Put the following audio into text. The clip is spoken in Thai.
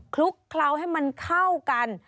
คลุกเคล้าให้มันเข้ากัน